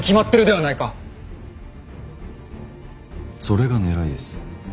それがねらいです。